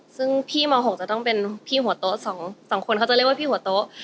ซึ่งพี่ม๖จะต้องเป็นพี่หัวโต๊ะ๒คนเขาจะเรียกว่าพี่หัวโต๊ะ